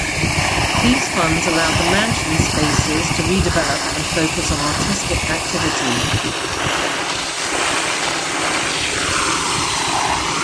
These funds allowed the Mansion spaces to re-develop and focus on artistic activity.